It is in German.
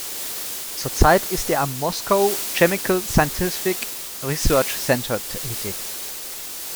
Zurzeit ist er am "Moscow Chemical Scientific Research Centre" tätig.